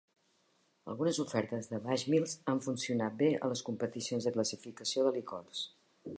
Algunes ofertes de Bushmills han funcionat bé a les competicions de classificació de licors.